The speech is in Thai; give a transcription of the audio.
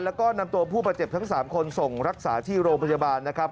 แล้วก็นำตัวผู้บาดเจ็บทั้ง๓คนส่งรักษาที่โรงพยาบาลนะครับ